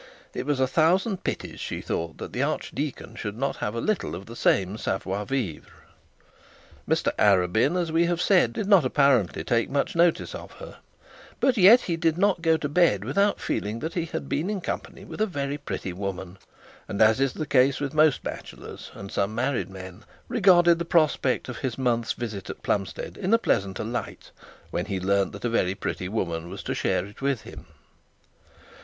It was a thousand pities, she thought, that the archdeacon should not have a little of the same savoir vivre. Mr Arabin, as we have said, did not apparently take much notice of her; but yet he did not go to bed without feeling that he had been in company with a very pretty woman; and as is the case with most bachelors, and some married men, regarded the prospect of his month's visit at Plumstead in a pleasanter light, when he learnt that a very pretty woman was to share it with him.